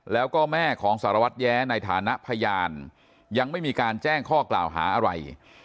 แล้วก็แม่ของสารวัตรแย้ในฐานะพยานยังไม่มีการแจ้งข้อกล่าวหาอะไร